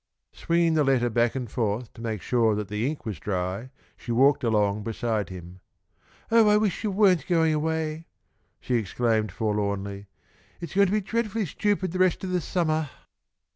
Swinging the letter back and forth to make sure that the ink was dry, she walked along beside him. "Oh, I wish you weren't going away!" she exclaimed, forlornly. "It's going to be dreadfully stupid the rest of the summah."